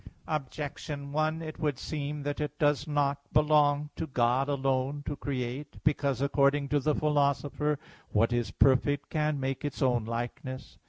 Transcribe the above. Objection 1: It would seem that it does not belong to God alone to create, because, according to the Philosopher (De Anima ii, text 34), what is perfect can make its own likeness.